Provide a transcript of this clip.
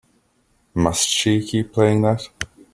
Must she keep playing that?